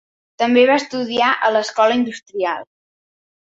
També va estudiar a l'Escola Industrial.